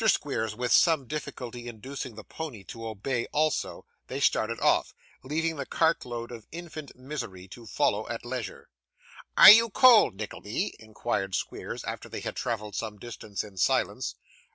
Squeers with some difficulty inducing the pony to obey also, they started off, leaving the cart load of infant misery to follow at leisure. 'Are you cold, Nickleby?' inquired Squeers, after they had travelled some distance in silence.